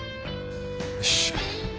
よし。